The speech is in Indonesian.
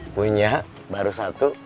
punya baru satu